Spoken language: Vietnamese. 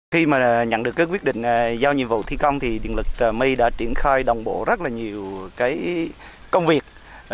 khi mà nhận được quyết định giao nhiệm vụ thi công thì điện lực mây đã triển khai đồng bộ rất là nhiều công việc